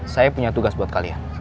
saya punya tugas buat kalian